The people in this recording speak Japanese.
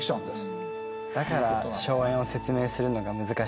だから荘園を説明するのが難しいんですね。